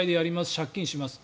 借金しますと。